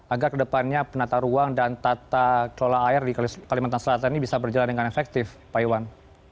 agar kedepannya penata ruang dan tata kelola air di kalimantan selatan ini bisa berjalan dengan efektif pak iwan